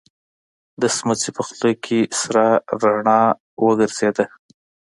د سمڅې په خوله کې سره رڼا را وګرځېده.